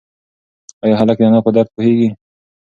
ایا هلک د انا په درد پوهېږي؟